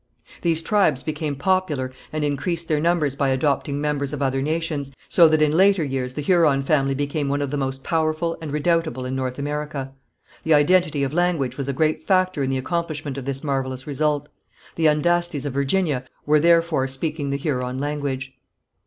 These tribes became popular and increased their numbers by adopting members of other nations, so that in later years the Huron family became one of the most powerful and redoubtable in North America. The identity of language was a great factor in the accomplishment of this marvellous result. The Andastes, of Virginia, were therefore speaking the Huron language.